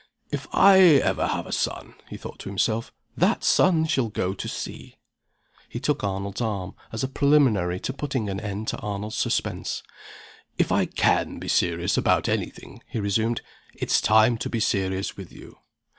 "If ever I have a son," he thought to himself, "that son shall go to sea!" He took Arnold's arm, as a preliminary to putting an end to Arnold's suspense. "If I can be serious about any thing," he resumed, "it's time to be serious with you.